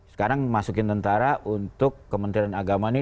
sekarang masukin tentara untuk kementerian agama ini